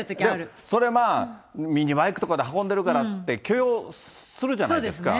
それはまあ、ミニバイクとかで運んでるからって、許容するじゃないですか。